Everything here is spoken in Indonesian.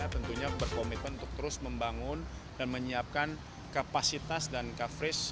tentunya berkomitmen untuk terus membangun dan menyiapkan kapasitas dan coverage